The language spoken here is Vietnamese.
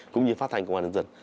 cũng như phát thanh công an nhân dân